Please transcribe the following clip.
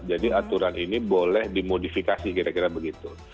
jadi aturan ini boleh dimodifikasi kira kira begitu